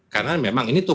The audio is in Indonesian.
karena memang ini tuh